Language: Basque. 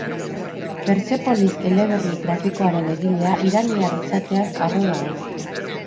Persepolis eleberri grafikoaren egilea iraniar izateaz harro dago.